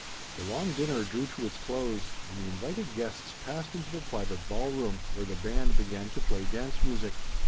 The long dinner drew to its close and the invited guests passed into the private ballroom, where the band began to play dance music.